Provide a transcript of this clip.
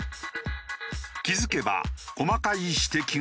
気付けば細かい指摘がずらり。